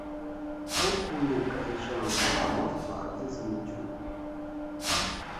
Aho kunyaka ijambo Amapfa ageze mu gihugu